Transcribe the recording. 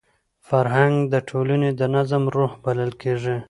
فرهنګ د ټولني د نظم روح بلل کېږي.